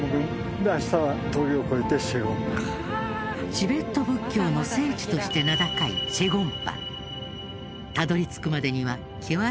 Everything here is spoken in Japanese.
チベット仏教の聖地として名高いシェ・ゴンパ。